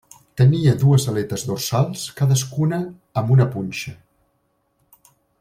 Tenia dues aletes dorsals, cadascuna amb una punxa.